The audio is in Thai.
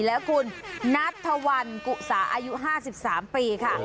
และคุณนัทธวัลกุสาอายุ๕๓ปีค่ะ